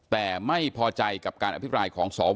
แต่ไม่พอใจกับการอภิปรายของสว